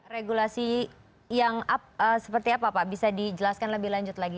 regulasi yang seperti apa pak bisa dijelaskan lebih lanjut lagi